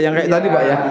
yang kayak tadi pak ya